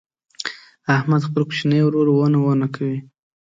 احمد خپل کوچنی ورور ونه ونه کوي.